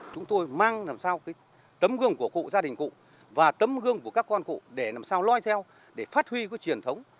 chúng tôi mang làm sao tấm gương của gia đình cụ và tấm gương của các con cụ để làm sao loa theo để phát huy cái truyền thống